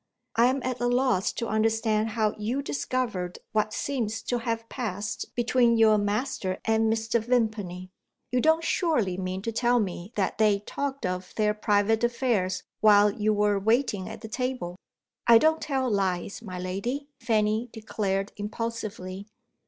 "I am at a loss to understand how you discovered what seems to have passed between your master and Mr. Vimpany. You don't surely mean to tell me that they talked of their private affairs while you were waiting at table?" "I don't tell lies, my lady," Fanny declared impulsively.